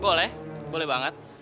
boleh boleh banget